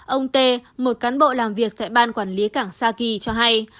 ông t một cán bộ làm việc tại ban quản lý cảng sa kỳ cho hay